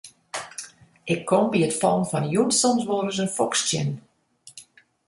Ik kom by it fallen fan 'e jûn soms wol ris in foks tsjin.